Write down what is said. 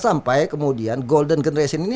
sampai kemudian golden generation ini